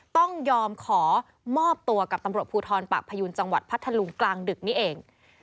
ต้องยอมขอมอบตัวกับตำรวจภูทรปากพยูนจังหวัดพัทธลุงกลางดึกนี้เอง